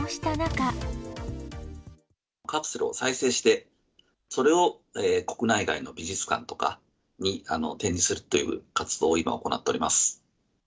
カプセルを再生して、それを国内外の美術館とかに展示するという活動を今、行っております。